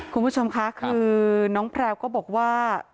คุณผู้ชมค่ะคือน้องแพลวก็บอกว่า